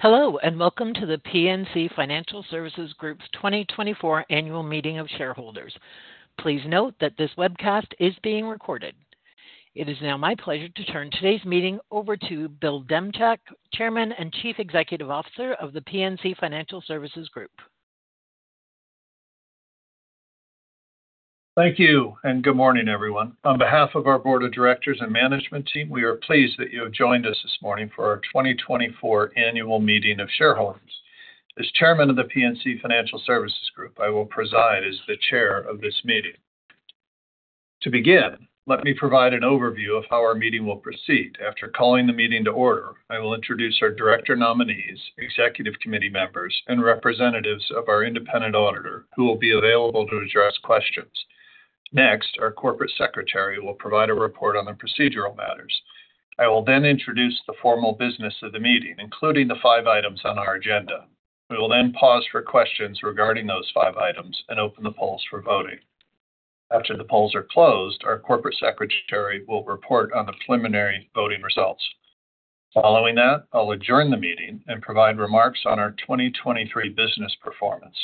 Hello and welcome to the PNC Financial Services Group's 2024 Annual Meeting of Shareholders. Please note that this webcast is being recorded. It is now my pleasure to turn today's meeting over to Bill Demchak, Chairman and Chief Executive Officer of the PNC Financial Services Group. Thank you and good morning, everyone. On behalf of our Board of Directors and Management team, we are pleased that you have joined us this morning for our 2024 Annual Meeting of Shareholders. As Chairman of the PNC Financial Services Group, I will preside as the Chair of this meeting. To begin, let me provide an overview of how our meeting will proceed. After calling the meeting to order, I will introduce our Director nominees, Executive Committee members, and representatives of our independent auditor, who will be available to address questions. Next, our Corporate Secretary will provide a report on the procedural matters. I will then introduce the formal business of the meeting, including the five items on our agenda. We will then pause for questions regarding those five items and open the polls for voting. After the polls are closed, our Corporate Secretary will report on the preliminary voting results. Following that, I'll adjourn the meeting and provide remarks on our 2023 business performance.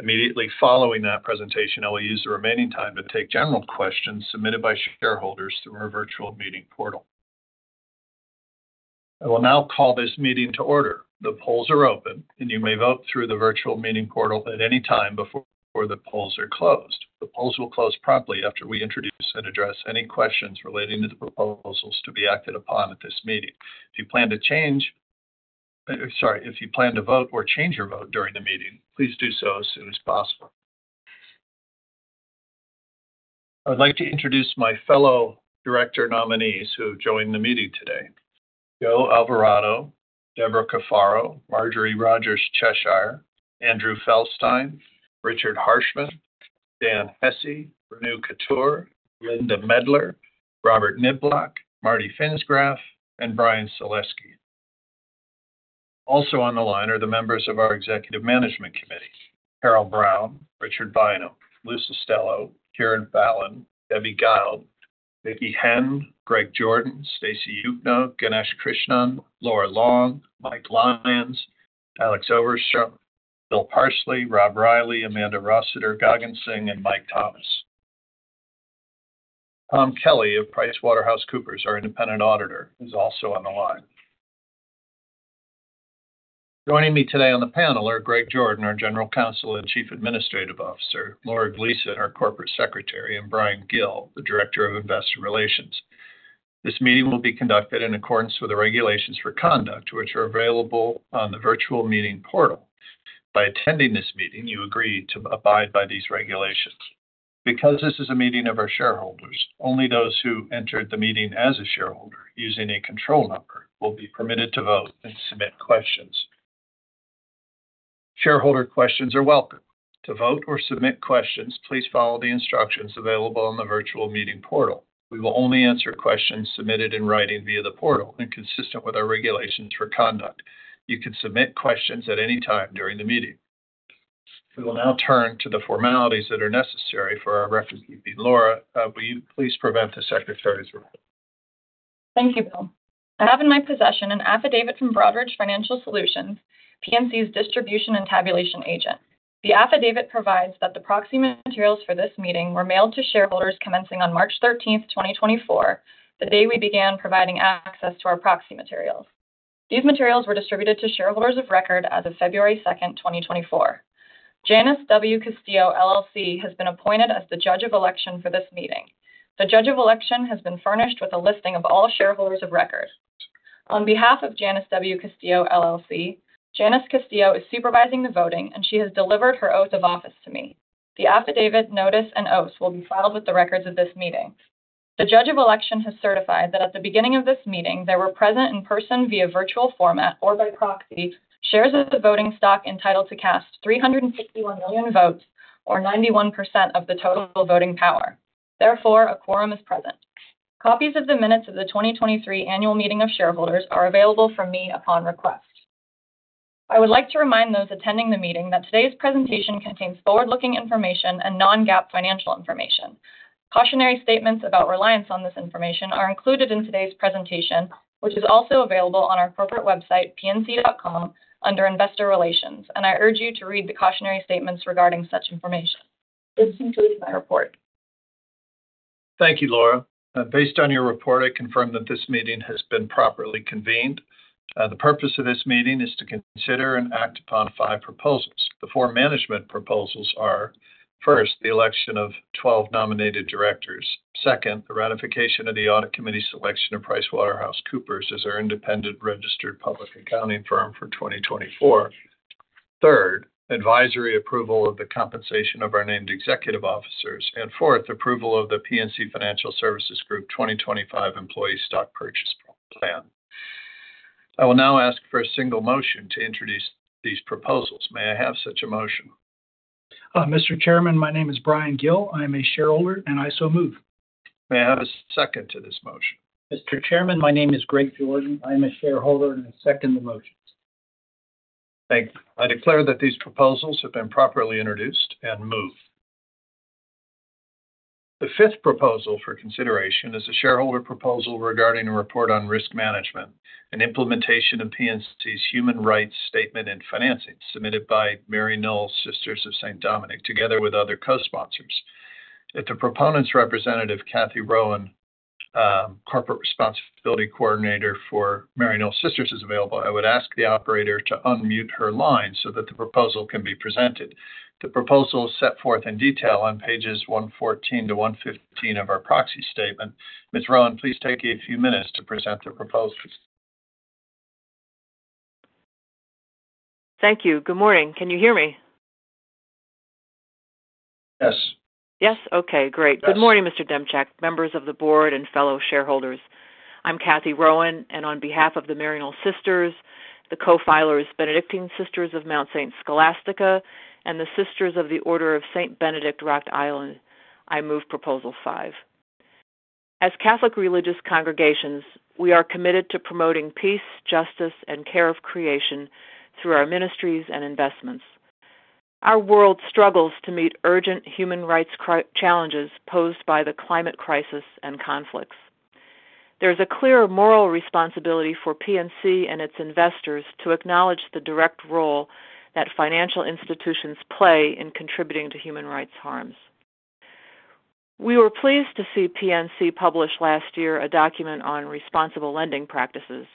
Immediately following that presentation, I will use the remaining time to take general questions submitted by shareholders through our virtual meeting portal. I will now call this meeting to order. The polls are open, and you may vote through the virtual meeting portal at any time before the polls are closed. The polls will close promptly after we introduce and address any questions relating to the proposals to be acted upon at this meeting. If you plan to change, sorry, if you plan to vote or change your vote during the meeting, please do so as soon as possible. I would like to introduce my fellow Director nominees who joined the meeting today: Joe Alvarado, Debra Cafaro, Marjorie Rodgers Cheshire, Andrew Feldstein, Richard Harshman, Dan Hesse, Renu Khator, Linda Medler, Robert Niblock, Martin Pfinsgraff, and Bryan Salesky. Also on the line are the members of our Executive Management Committee: Carole Brown, Richard Bynum, Louis Cestello, Kieran Fallon, Debbie Guild, Vicky Henn, Greg Jordan, Stacy Juchno, Ganesh Krishnan, Laura Long, Mike Lyons, Alex Overstrom, Bill Parsley, Rob Reilly, Amanda Rosseter, Gagan Singh, and Mike Thomas. Tom Kelly of PricewaterhouseCoopers, our independent auditor, is also on the line. Joining me today on the panel are Greg Jordan, our General Counsel and Chief Administrative Officer; Laura Gleason, our Corporate Secretary; and Bryan Gill, the Director of Investor Relations. This meeting will be conducted in accordance with the Regulations for Conduct, which are available on the virtual meeting portal. By attending this meeting, you agree to abide by these regulations. Because this is a meeting of our shareholders, only those who entered the meeting as a shareholder using a control number will be permitted to vote and submit questions. Shareholder questions are welcome. To vote or submit questions, please follow the instructions available on the virtual meeting portal. We will only answer questions submitted in writing via the portal and consistent with our Regulations for Conduct. You can submit questions at any time during the meeting. We will now turn to the formalities that are necessary for our record keeping. Laura, will you please present the Secretary's request? Thank you, Bill. I have in my possession an affidavit from Broadridge Financial Solutions, PNC's distribution and tabulation agent. The affidavit provides that the proxy materials for this meeting were mailed to shareholders commencing on March 13th, 2024, the day we began providing access to our proxy materials. These materials were distributed to shareholders of record as of February 2nd, 2024. Janice W. Castillo, LLC, has been appointed as the Judge of Election for this meeting. The Judge of Election has been furnished with a listing of all shareholders of record. On behalf of Janice W. Castillo, LLC, Janice Castillo is supervising the voting, and she has delivered her oath of office to me. The affidavit, notice, and oaths will be filed with the records of this meeting. The Judge of Election has certified that at the beginning of this meeting there were present in person via virtual format or by proxy shares of the voting stock entitled to cast 361 million votes, or 91% of the total voting power. Therefore, a quorum is present. Copies of the minutes of the 2023 Annual Meeting of Shareholders are available from me upon request. I would like to remind those attending the meeting that today's presentation contains forward-looking information and non-GAAP financial information. Cautionary statements about reliance on this information are included in today's presentation, which is also available on our corporate website, pnc.com, under Investor Relations, and I urge you to read the cautionary statements regarding such information. This concludes my report. Thank you, Laura. Based on your report, I confirm that this meeting has been properly convened. The purpose of this meeting is to consider and act upon five proposals. The four management proposals are: first, the election of 12 nominated directors; second, the ratification of the Audit Committee selection of PricewaterhouseCoopers as our independent registered public accounting firm for 2024; third, advisory approval of the compensation of our named executive officers; and fourth, approval of the PNC Financial Services Group 2025 Employee Stock Purchase Plan. I will now ask for a single motion to introduce these proposals. May I have such a motion? Mr. Chairman, my name is Bryan Gill. I am a shareholder, and I so move. May I have a second to this motion? Mr. Chairman, my name is Greg Jordan. I am a shareholder, and I second the motions. Thank you. I declare that these proposals have been properly introduced and move. The fifth proposal for consideration is a shareholder proposal regarding a report on risk management and implementation of PNC's Human Rights Statement in Financing submitted by Maryknoll Sisters of St. Dominic together with other co-sponsors. If the proponent's representative, Cathy Rowan, Corporate Responsibility Coordinator for Maryknoll Sisters, is available, I would ask the operator to unmute her line so that the proposal can be presented. The proposal is set forth in detail on pages 114-115 of our Proxy Statement. Ms. Rowan, please take a few minutes to present the proposals. Thank you. Good morning. Can you hear me? Yes. Yes? Okay. Great. Good morning, Mr. Demchak, members of the board and fellow shareholders. I'm Cathy Rowan, and on behalf of the Maryknoll Sisters, the co-filers Benedictine Sisters of Mount St. Scholastica, and the Sisters of the Order of St. Benedict Rock Island, I move Proposal 5. As Catholic religious congregations, we are committed to promoting peace, justice, and care of creation through our ministries and investments. Our world struggles to meet urgent human rights challenges posed by the climate crisis and conflicts. There is a clear moral responsibility for PNC and its investors to acknowledge the direct role that financial institutions play in contributing to human rights harms. We were pleased to see PNC publish last year a document on Responsible Lending Practices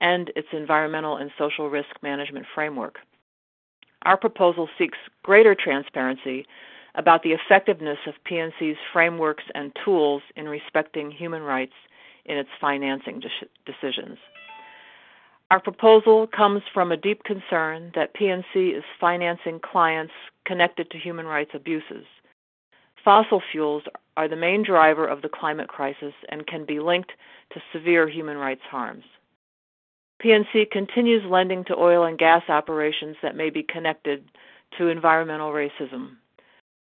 and its Environmental and Social Risk Management framework. Our proposal seeks greater transparency about the effectiveness of PNC's frameworks and tools in respecting human rights in its financing decisions. Our proposal comes from a deep concern that PNC is financing clients connected to human rights abuses. Fossil fuels are the main driver of the climate crisis and can be linked to severe human rights harms. PNC continues lending to oil and gas operations that may be connected to environmental racism.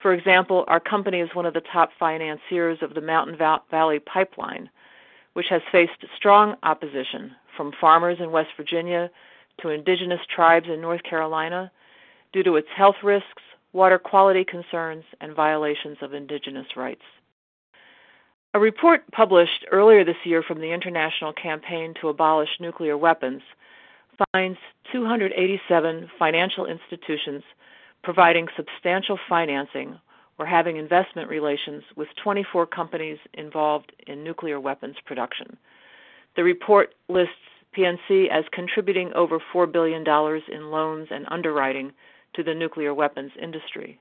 For example, our company is one of the top financiers of the Mountain Valley Pipeline, which has faced strong opposition from farmers in West Virginia to Indigenous tribes in North Carolina due to its health risks, water quality concerns, and violations of Indigenous rights. A report published earlier this year from the International Campaign to Abolish Nuclear Weapons finds 287 financial institutions providing substantial financing or having investment relations with 24 companies involved in nuclear weapons production. The report lists PNC as contributing over $4 billion in loans and underwriting to the nuclear weapons industry.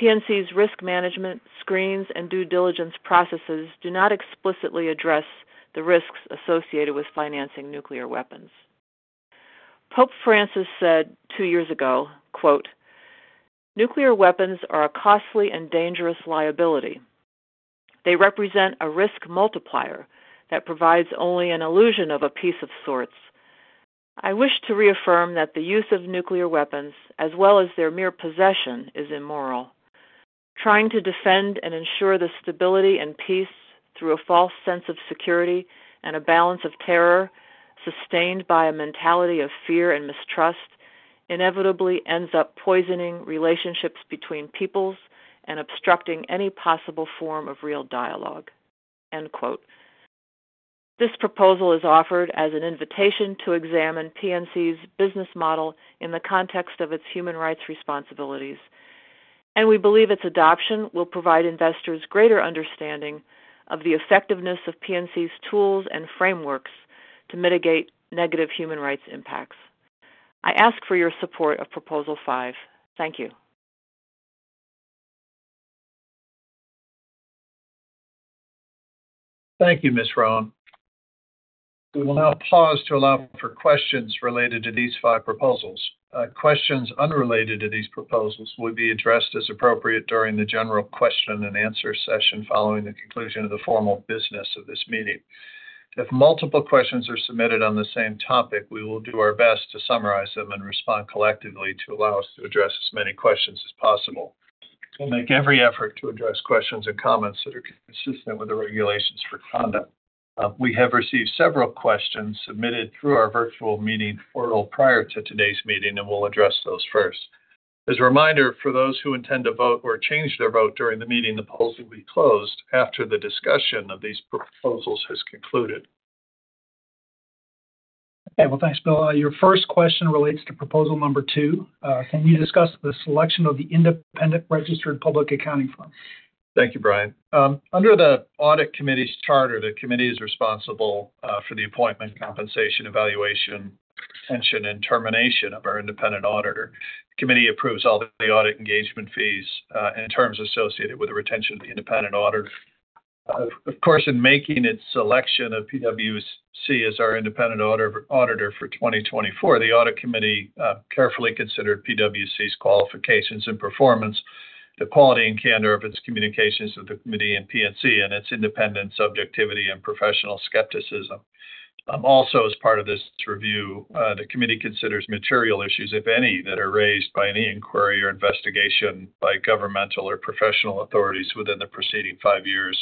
PNC's risk management, screens, and due diligence processes do not explicitly address the risks associated with financing nuclear weapons. Pope Francis said two years ago, "Nuclear weapons are a costly and dangerous liability. They represent a risk multiplier that provides only an illusion of a peace of sorts. I wish to reaffirm that the use of nuclear weapons, as well as their mere possession, is immoral. Trying to defend and ensure the stability and peace through a false sense of security and a balance of terror sustained by a mentality of fear and mistrust inevitably ends up poisoning relationships between peoples and obstructing any possible form of real dialogue." This proposal is offered as an invitation to examine PNC's business model in the context of its human rights responsibilities, and we believe its adoption will provide investors greater understanding of the effectiveness of PNC's tools and frameworks to mitigate negative human rights impacts. I ask for your support of Proposal 5. Thank you. Thank you, Ms. Rowan. We will now pause to allow for questions related to these five proposals. Questions unrelated to these proposals will be addressed as appropriate during the general question-and-answer session following the conclusion of the formal business of this meeting. If multiple questions are submitted on the same topic, we will do our best to summarize them and respond collectively to allow us to address as many questions as possible. We'll make every effort to address questions and comments that are consistent with the Regulations for Conduct. We have received several questions submitted through our virtual meeting portal prior to today's meeting, and we'll address those first. As a reminder, for those who intend to vote or change their vote during the meeting, the polls will be closed after the discussion of these proposals has concluded. Okay. Well, thanks, Bill. Your first question relates to Proposal Number 2. Can you discuss the selection of the independent registered public accounting firm? Thank you, Bryan. Under the Audit Committee's charter, the committee is responsible for the appointment, compensation, evaluation, retention, and termination of our independent auditor. The committee approves all the audit engagement fees and terms associated with the retention of the independent auditor. Of course, in making its selection of PwC as our independent auditor for 2024, the Audit Committee carefully considered PwC's qualifications and performance, the quality and candor of its communications with the committee and PNC, and its independent subjectivity and professional skepticism. Also, as part of this review, the committee considers material issues, if any, that are raised by any inquiry or investigation by governmental or professional authorities within the preceding five years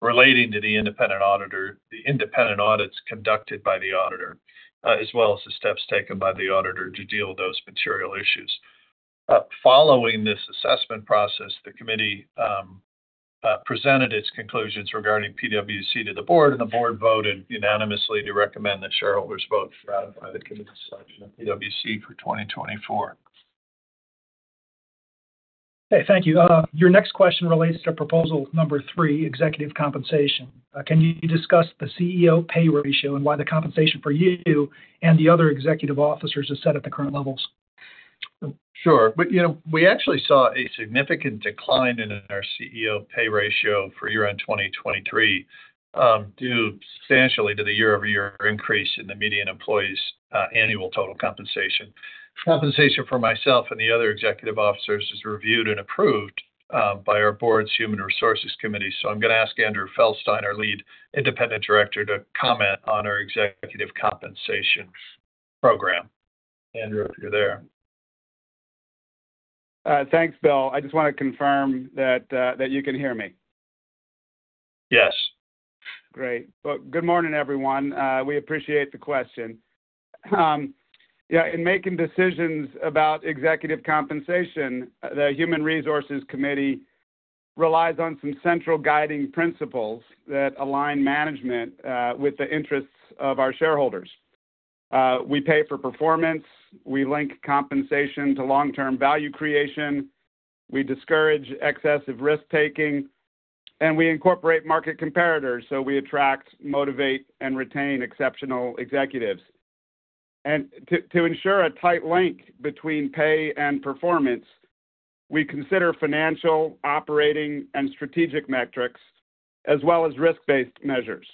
relating to the independent auditor, the independent audits conducted by the auditor, as well as the steps taken by the auditor to deal with those material issues. Following this assessment process, the committee presented its conclusions regarding PwC to the board, and the board voted unanimously to recommend that shareholders vote to ratify the committee's selection of PwC for 2024. Okay. Thank you. Your next question relates to Proposal 3, executive compensation. Can you discuss the CEO pay ratio and why the compensation for you and the other executive officers is set at the current levels? Sure. But we actually saw a significant decline in our CEO pay ratio for year-end 2023 due substantially to the year-over-year increase in the median employee's annual total compensation. Compensation for myself and the other executive officers is reviewed and approved by our board's Human Resources Committee, so I'm going to ask Andrew Feldstein, our lead independent director, to comment on our executive compensation program. Andrew, if you're there. Thanks, Bill. I just want to confirm that you can hear me. Yes. Great. Well, good morning, everyone. We appreciate the question. In making decisions about executive compensation, the Human Resources Committee relies on some central guiding principles that align management with the interests of our shareholders. We pay for performance. We link compensation to long-term value creation. We discourage excessive risk-taking. And we incorporate market competitors so we attract, motivate, and retain exceptional executives. And to ensure a tight link between pay and performance, we consider financial, operating, and strategic metrics, as well as risk-based measures.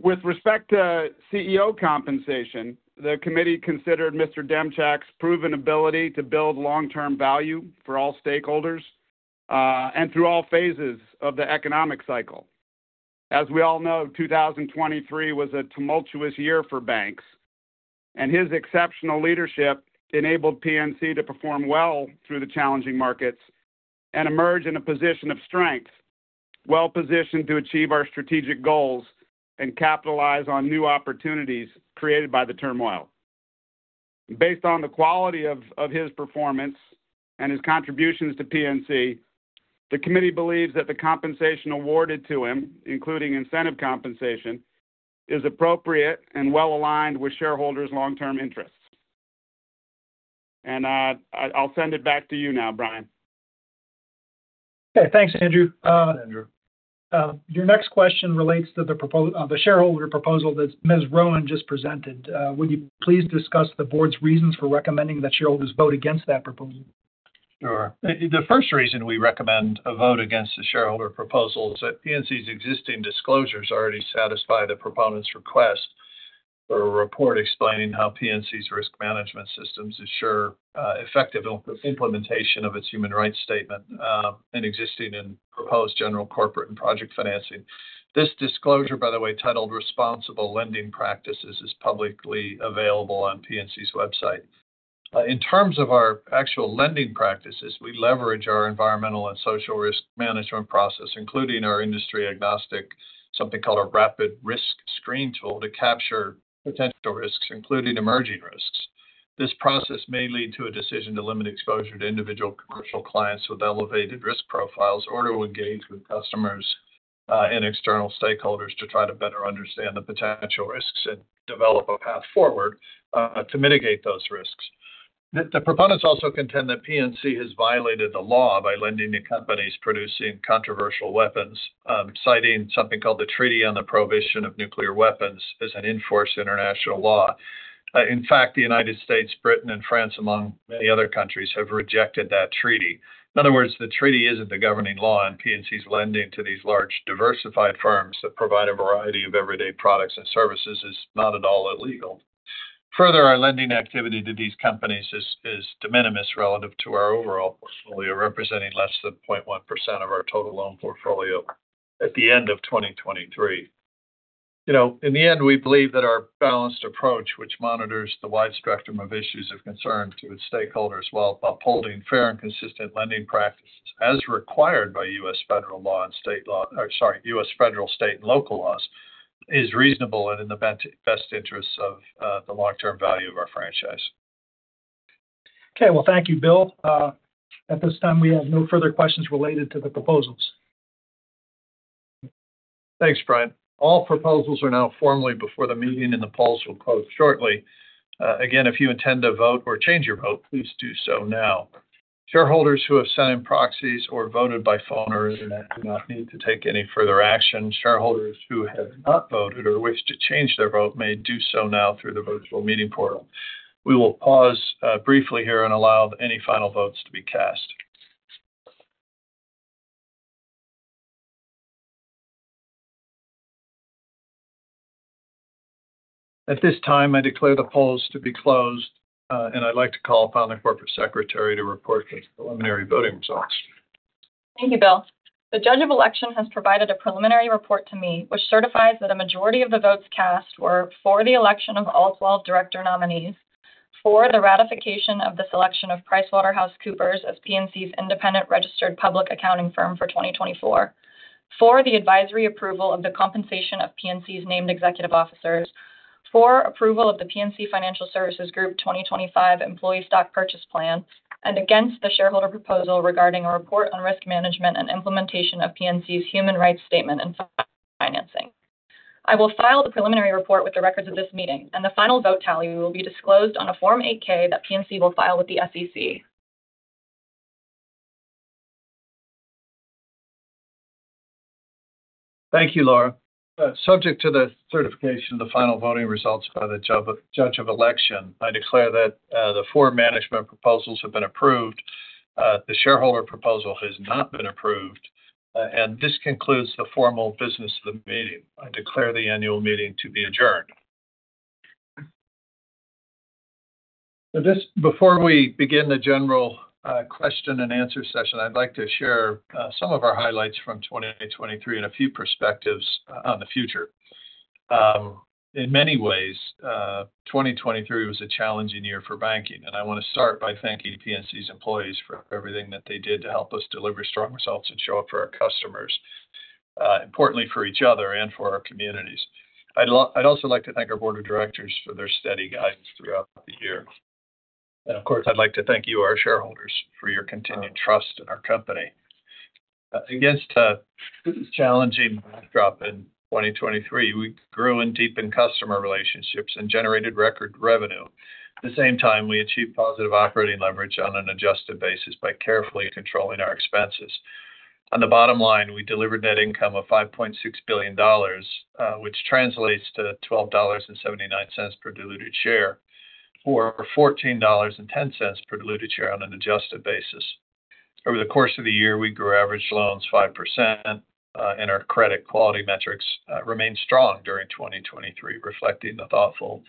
With respect to CEO compensation, the committee considered Mr. Demchak's proven ability to build long-term value for all stakeholders and through all phases of the economic cycle. As we all know, 2023 was a tumultuous year for banks, and his exceptional leadership enabled PNC to perform well through the challenging markets and emerge in a position of strength, well-positioned to achieve our strategic goals and capitalize on new opportunities created by the turmoil. Based on the quality of his performance and his contributions to PNC, the committee believes that the compensation awarded to him, including incentive compensation, is appropriate and well-aligned with shareholders' long-term interests. I'll send it back to you now, Bryan. Okay. Thanks, Andrew. Your next question relates to the shareholder proposal that Ms. Rowan just presented. Would you please discuss the board's reasons for recommending that shareholders vote against that proposal? Sure. The first reason we recommend a vote against the shareholder proposal is that PNC's existing disclosures already satisfy the proponent's request for a report explaining how PNC's risk management systems ensure effective implementation of its Human Rights Statement and existing and proposed general corporate and project financing. This disclosure, by the way, titled "Responsible Lending Practices," is publicly available on PNC's website. In terms of our actual lending practices, we leverage our Environmental and Social Risk Management process, including our industry-agnostic something called a Rapid Risk Screen tool to capture potential risks, including emerging risks. This process may lead to a decision to limit exposure to individual commercial clients with elevated risk profiles or to engage with customers and external stakeholders to try to better understand the potential risks and develop a path forward to mitigate those risks. The proponents also contend that PNC has violated the law by lending to companies producing controversial weapons, citing something called the Treaty on the Prohibition of Nuclear Weapons as an enforced international law. In fact, the United States, Britain, and France, among many other countries, have rejected that treaty. In other words, the treaty isn't the governing law, and PNC's lending to these large, diversified firms that provide a variety of everyday products and services is not at all illegal. Further, our lending activity to these companies is de minimis relative to our overall portfolio, representing less than 0.1% of our total loan portfolio at the end of 2023. In the end, we believe that our balanced approach, which monitors the wide spectrum of issues of concern to its stakeholders while upholding fair and consistent lending practices as required by U.S. federal law and state law or, sorry, U.S. federal, state, and local laws, is reasonable and in the best interests of the long-term value of our franchise. Okay. Well, thank you, Bill. At this time, we have no further questions related to the proposals. Thanks, Bryan. All proposals are now formally before the meeting, and the polls will close shortly. Again, if you intend to vote or change your vote, please do so now. Shareholders who have sent in proxies or voted by phone or internet do not need to take any further action. Shareholders who have not voted or wish to change their vote may do so now through the virtual meeting portal. We will pause briefly here and allow any final votes to be cast. At this time, I declare the polls to be closed, and I'd like to call upon the corporate secretary to report the preliminary voting results. Thank you, Bill. The judge of election has provided a preliminary report to me, which certifies that a majority of the votes cast were for the election of all 12 director nominees, for the ratification of the selection of PricewaterhouseCoopers as PNC's independent registered public accounting firm for 2024, for the advisory approval of the compensation of PNC's named executive officers, for approval of the PNC Financial Services Group 2025 Employee Stock Purchase Plan, and against the shareholder proposal regarding a report on risk management and implementation of PNC's Human Rights Statement and financing. I will file the preliminary report with the records of this meeting, and the final vote tally will be disclosed on a Form 8-K that PNC will file with the SEC. Thank you, Laura. Subject to the certification of the final voting results by the judge of election, I declare that the four management proposals have been approved. The shareholder proposal has not been approved, and this concludes the formal business of the meeting. I declare the annual meeting to be adjourned. Now, just before we begin the general question-and-answer session, I'd like to share some of our highlights from 2023 and a few perspectives on the future. In many ways, 2023 was a challenging year for banking, and I want to start by thanking PNC's employees for everything that they did to help us deliver strong results and show up for our customers, importantly for each other and for our communities. I'd also like to thank our board of directors for their steady guidance throughout the year. Of course, I'd like to thank you, our shareholders, for your continued trust in our company. Against this challenging backdrop in 2023, we grew and deepened customer relationships and generated record revenue. At the same time, we achieved positive operating leverage on an adjusted basis by carefully controlling our expenses. On the bottom line, we delivered net income of $5.6 billion, which translates to $12.79 per diluted share or $14.10 per diluted share on an adjusted basis. Over the course of the year, we grew average loans 5%, and our credit quality metrics remained strong during 2023, reflecting the thoughtful,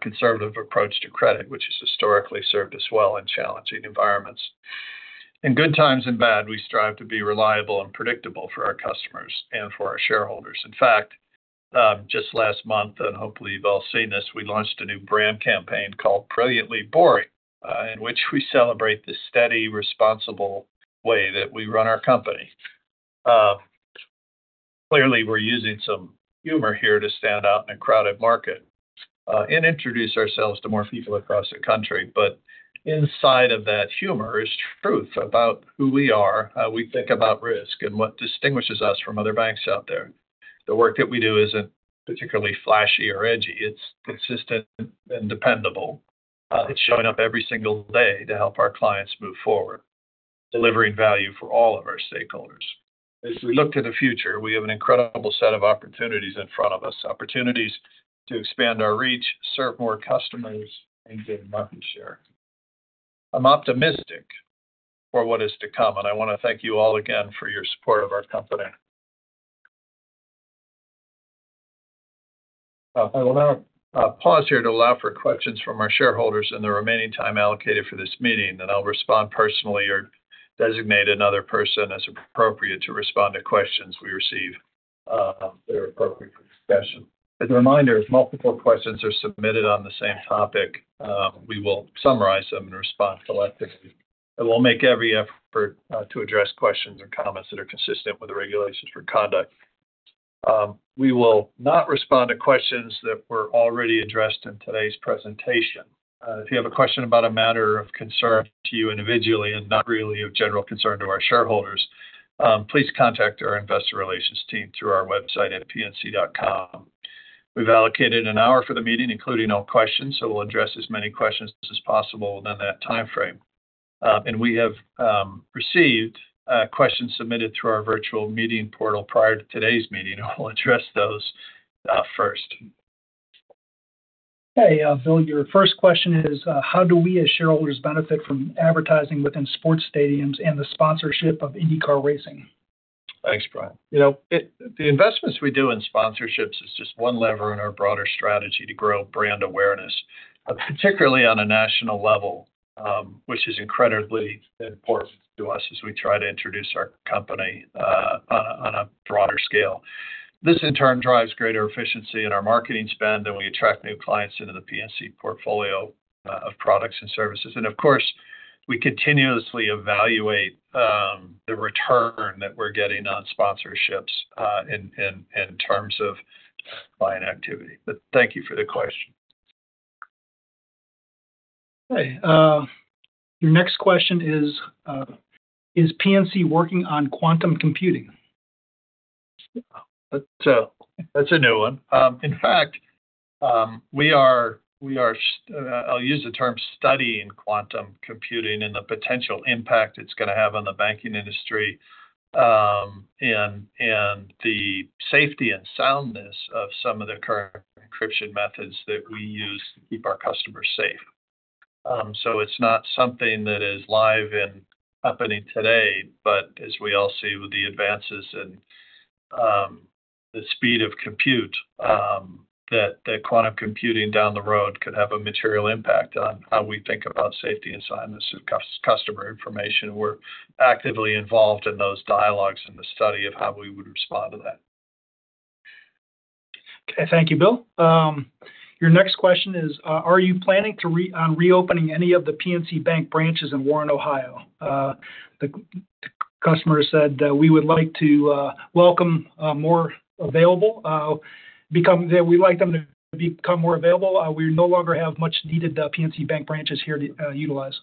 conservative approach to credit, which has historically served us well in challenging environments. In good times and bad, we strive to be reliable and predictable for our customers and for our shareholders. In fact, just last month, and hopefully you've all seen this, we launched a new brand campaign called Brilliantly Boring, in which we celebrate the steady, responsible way that we run our company. Clearly, we're using some humor here to stand out in a crowded market and introduce ourselves to more people across the country. But inside of that humor is truth about who we are, how we think about risk, and what distinguishes us from other banks out there. The work that we do isn't particularly flashy or edgy. It's consistent and dependable. It's showing up every single day to help our clients move forward, delivering value for all of our stakeholders. As we look to the future, we have an incredible set of opportunities in front of us, opportunities to expand our reach, serve more customers, and gain market share. I'm optimistic for what is to come, and I want to thank you all again for your support of our company. I will now pause here to allow for questions from our shareholders in the remaining time allocated for this meeting, and I'll respond personally or designate another person as appropriate to respond to questions we receive that are appropriate for discussion. As a reminder, as multiple questions are submitted on the same topic, we will summarize them and respond collectively. I will make every effort to address questions or comments that are consistent with the Regulations for Conduct. We will not respond to questions that were already addressed in today's presentation. If you have a question about a matter of concern to you individually and not really of general concern to our shareholders, please contact our investor relations team through our website at pnc.com. We've allocated an hour for the meeting, including all questions, so we'll address as many questions as possible within that time frame. We have received questions submitted through our virtual meeting portal prior to today's meeting, and we'll address those first. Okay, Bill. Your first question is, how do we as shareholders benefit from advertising within sports stadiums and the sponsorship of IndyCar Racing? Thanks, Bryan. The investments we do in sponsorships is just one lever in our broader strategy to grow brand awareness, particularly on a national level, which is incredibly important to us as we try to introduce our company on a broader scale. This, in turn, drives greater efficiency in our marketing spend, and we attract new clients into the PNC portfolio of products and services. And of course, we continuously evaluate the return that we're getting on sponsorships in terms of client activity. But thank you for the question. Okay. Your next question is, is PNC working on quantum computing? That's a new one. In fact, we are, I'll use the term, studying quantum computing and the potential impact it's going to have on the banking industry and the safety and soundness of some of the current encryption methods that we use to keep our customers safe. So it's not something that is live and happening today, but as we all see with the advances in the speed of compute, that quantum computing down the road could have a material impact on how we think about safety and soundness of customer information. We're actively involved in those dialogues and the study of how we would respond to that. Okay. Thank you, Bill. Your next question is, are you planning on reopening any of the PNC Bank branches in Warren, Ohio? The customer said we would like to welcome more available. We'd like them to become more available. We no longer have much needed PNC Bank branches here to utilize.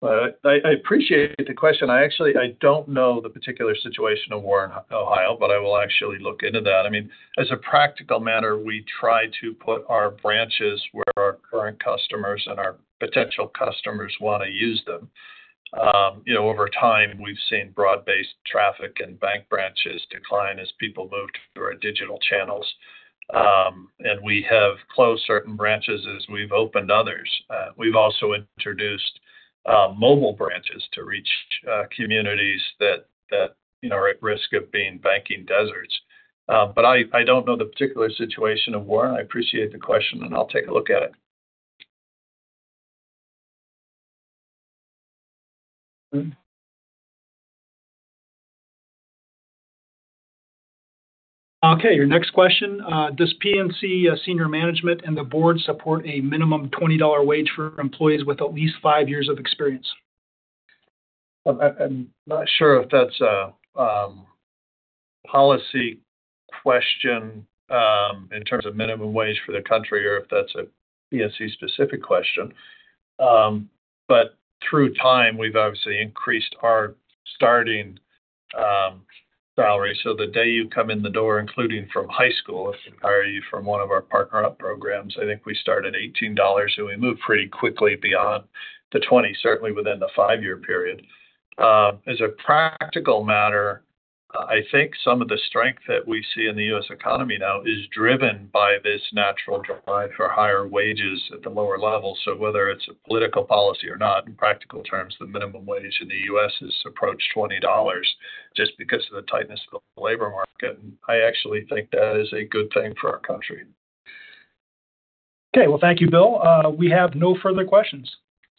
I appreciate the question. I don't know the particular situation in Warren, Ohio, but I will actually look into that. I mean, as a practical matter, we try to put our branches where our current customers and our potential customers want to use them. Over time, we've seen broad-based traffic and bank branches decline as people move to our digital channels, and we have closed certain branches as we've opened others. We've also introduced mobile branches to reach communities that are at risk of being banking deserts. But I don't know the particular situation of Warren. I appreciate the question, and I'll take a look at it. Okay. Your next question. Does PNC senior management and the board support a minimum $20 wage for employees with at least five years of experience? I'm not sure if that's a policy question in terms of minimum wage for the country or if that's a PNC-specific question. But through time, we've obviously increased our starting salary. So the day you come in the door, including from high school, if they hire you from one of our Partner Up programs, I think we start at $18, and we move pretty quickly beyond the $20, certainly within the five-year period. As a practical matter, I think some of the strength that we see in the U.S. economy now is driven by this natural drive for higher wages at the lower level. So whether it's a political policy or not, in practical terms, the minimum wage in the U.S. has approached $20 just because of the tightness of the labor market. And I actually think that is a good thing for our country. Okay. Well, thank you, Bill. We have no further questions.